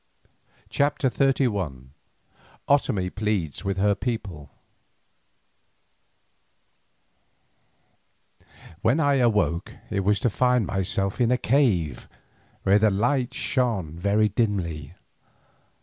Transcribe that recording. CHAPTER XXXI OTOMIE PLEADS WITH HER PEOPLE When I awoke it was to find myself in a cave, where the light shone very dimly.